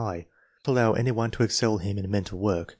He will not allow any one to excel him in mental work.